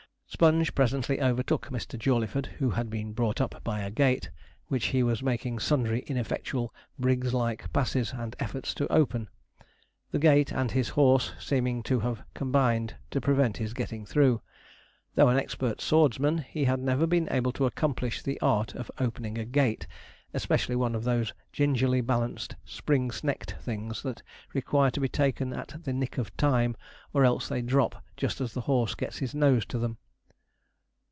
Sponge presently overtook Mr. Jawleyford, who had been brought up by a gate, which he was making sundry ineffectual Briggs like passes and efforts to open; the gate and his horse seeming to have combined to prevent his getting through. Though an expert swordsman, he had never been able to accomplish, the art of opening a gate, especially one of those gingerly balanced spring snecked things that require to be taken at the nick of time, or else they drop just as the horse gets his nose to them.